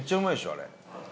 あれ。